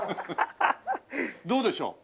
どうでしょう？